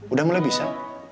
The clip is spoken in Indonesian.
udah mulai bisa